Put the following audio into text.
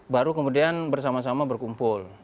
baru kemudian bersama sama berkumpul